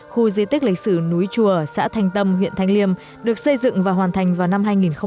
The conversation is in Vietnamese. khu di tích lịch sử núi chùa xã thanh tâm huyện thanh liêm được xây dựng và hoàn thành vào năm hai nghìn một mươi